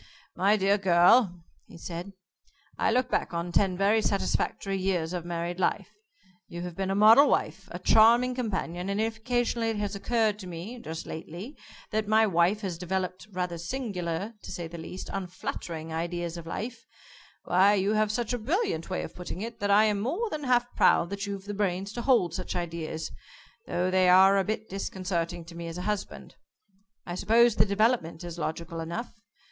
"My dear girl," he said, "I look back on ten very satisfactory years of married life. You have been a model wife, a charming companion and if occasionally it has occurred to me just lately that my wife has developed rather singular, to say the least, unflattering ideas of life, why, you have such a brilliant way of putting it, that I am more than half proud that you've the brains to hold such ideas, though they are a bit disconcerting to me as a husband. I suppose the development is logical enough.